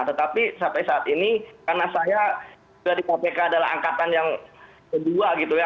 tetapi sampai saat ini karena saya sudah di kpk adalah angkatan yang kedua gitu ya